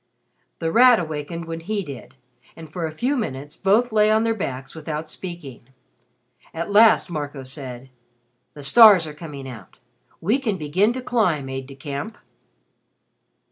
The Rat awakened when he did, and for a few minutes both lay on their backs without speaking. At last Marco said, "The stars are coming out. We can begin to climb, Aide de camp."